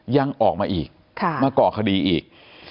ยังออกมาอีกมาก่อคดีอีก